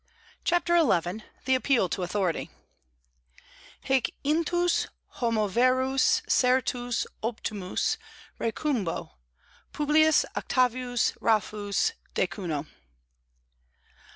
CHAPTER XI THE APPEAL TO AUTHORITY "Hic intus homo verus certus optumus recumbo, Publius Octavius Rufus, decuno."